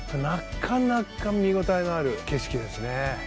なかなか見応えのある景色ですね。